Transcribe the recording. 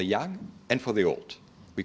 untuk orang muda dan untuk orang tua